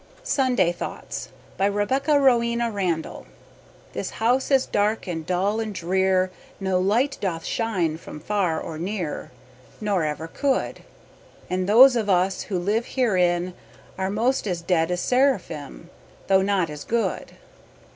SUNDAY THOUGHTS BY REBECCA ROWENA RANDALL This house is dark and dull and drear No light doth shine from far or near Nor ever could. And those of us who live herein Are most as dead as seraphim Though not as good.